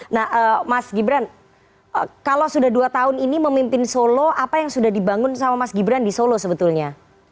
nah mas gibran kalau sudah dua tahun ini memimpin solo apa yang sudah dibangun sama mas gibran di solo sebetulnya